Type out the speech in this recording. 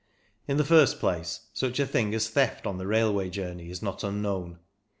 In the first place, such a thing as theft on the railway journey is not unknown.